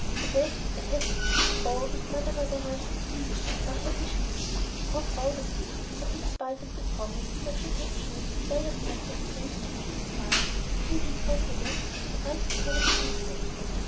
a vest! a hat! Oh, if Mother Barberin could see me, how happy she would be, how proud of me! But in spite of the promise that I should have shoes and velvet pants at the end of the six miles, it seemed impossible that I could cover the distance.